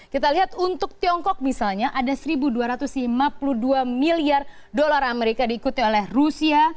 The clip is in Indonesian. kita lihat untuk tiongkok misalnya ada satu dua ratus lima puluh dua miliar dolar amerika diikuti oleh rusia